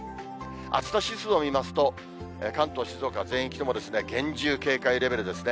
暑さ指数を見ますと、関東、静岡、全域ともですね、厳重警戒レベルですね。